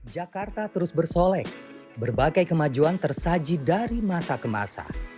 jakarta terus bersolek berbagai kemajuan tersaji dari masa ke masa